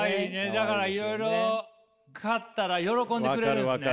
だからいろいろ買ったら喜んでくれるんですね。